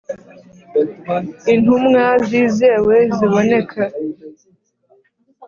Intumwa zizewe ziboneka